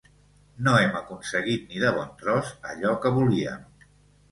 No hem aconseguit ni de bon tros allò que volíem.